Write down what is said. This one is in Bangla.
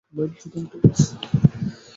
বাইবেল চোদানো ঠকবাজ।